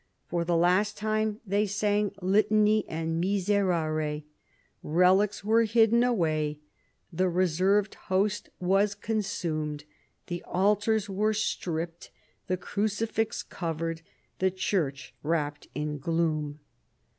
For the last time they sang Litany and Miserere ; relics were hidden away, the reserved Host was consumed, the altars were stripped, the crucifix covered, the church wrapped in gloom.